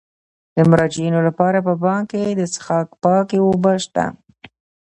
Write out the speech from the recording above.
د مراجعینو لپاره په بانک کې د څښاک پاکې اوبه شته.